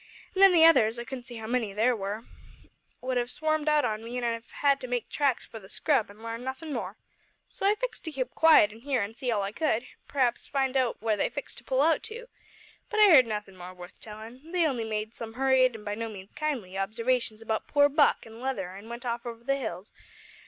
An' then, the others I couldn't see how many there was would have swarmed out on me, an' I'd have had to make tracks for the scrub, an' larn nothin' more. So I fixed to keep quiet an' hear and see all that I could p'r'aps find out where they fixed to pull out to. But I heard nothin' more worth tellin'. They only made some hurried, an' by no means kindly, observations about poor Buck an' Leather an' went off over the hills.